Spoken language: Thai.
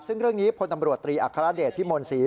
ซึ่งเรื่องนี้พลตำรวจตรีอัครเดชพิมลศรี